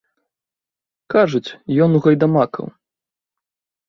Кажуць, ён у гайдамакаў!